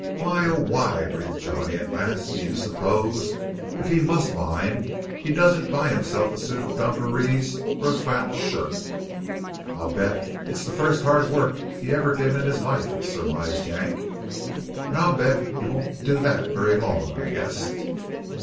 "Why, oh, why!" breathed Johnny at last, "do you suppose, if he must mine, he doesn't buy himself a suit of dungarees or a flannel shirt?" "I'll bet it's the first hard work he ever did in his life," surmised Yank. "And I'll bet he won't do that very long," I guessed.